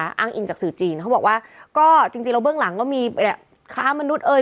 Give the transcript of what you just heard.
อ้างอินจากสื่อจีนเขาบอกว่าก็จริงแล้วเบื้องหลังก็มีเนี่ยค้ามนุษย์เอ่ย